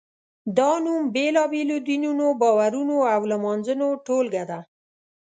دا نوم بېلابېلو دینونو، باورونو او لمانځنو ټولګه ده.